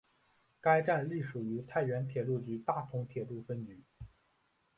该站隶属太原铁路局大同铁路分局。